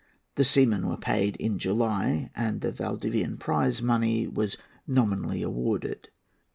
The seamen were paid in July, and the Valdivian prize money was nominally awarded.